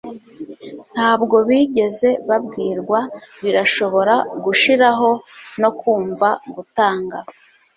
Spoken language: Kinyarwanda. ntabwo bigeze babwirwa birashobora gushiraho no kumva gutanga